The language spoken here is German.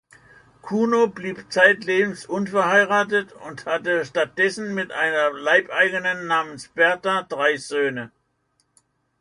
Kuno blieb zeitlebens unverheiratet und hatte stattdessen mit einer Leibeigenen namens Berta drei Söhne.